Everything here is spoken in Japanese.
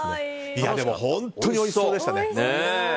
でも本当においしそうでしたね。